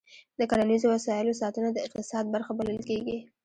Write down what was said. د کرنیزو وسایلو ساتنه د اقتصاد برخه بلل کېږي.